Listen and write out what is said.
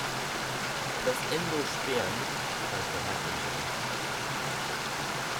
Das Endosperm kann vorhanden sein.